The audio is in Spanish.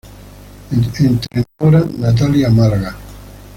Entrenadora: Natalia Málaga